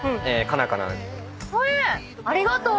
ありがとう。